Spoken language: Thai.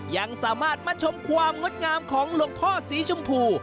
ยังสามารถมาชมความงดงามของหลวงพ่อสีชมพู